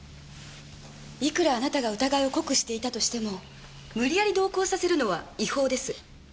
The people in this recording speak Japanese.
いくらあなたが疑いを濃くしていたとしても無理やり同行させるのは違法です。